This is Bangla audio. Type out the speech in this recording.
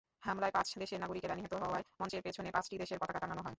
হামলায় পাঁচ দেশের নাগরিকেরা নিহত হওয়ায় মঞ্চের পেছনে পাঁচটি দেশের পতাকা টাঙানো হয়।